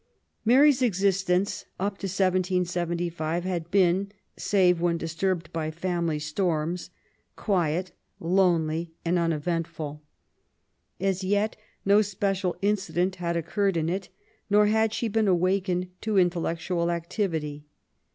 Mary's existence up to 1775 had been, save when disturbed by family storms, quiet, lonely, and unevent ful. As yet no special incident had occurred in it, nor had she been awakened to intellectual activity.